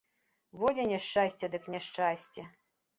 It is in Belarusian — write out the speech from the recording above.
Во дзе няшчасце дык няшчасце.